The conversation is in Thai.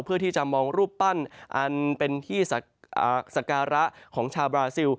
เพื่อที่จะมองรูปปั้นอันเป็นที่สการะของชาวบราซิล